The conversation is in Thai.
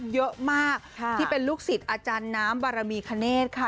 เยอะมากที่เป็นลูกศิษย์อาจารย์น้ำบารมีคเนธค่ะ